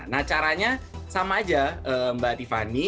nah caranya sama aja mbak tiffany